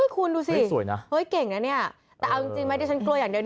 คุณดูสิสวยนะเฮ้ยเก่งนะเนี่ยแต่เอาจริงไหมที่ฉันกลัวอย่างเดียว